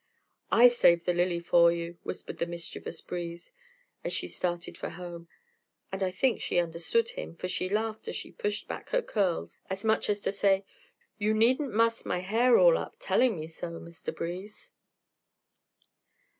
"I saved the lily for you," whispered the mischievous breeze, as she started for home. And I think she understood him, for she laughed as she pushed back her curls, as much as to say, "You needn't muss my hair all up telling me so, Mr. Breeze!"